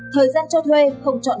thời gian cho thuê không trọn năm